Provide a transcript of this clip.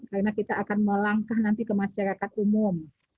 karena kita akan melangkah nanti ke masyarakat umum